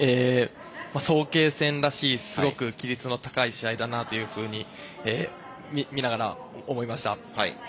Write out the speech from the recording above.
早慶戦らしいすごく規律の高い試合だなというふうに見ながら思いました。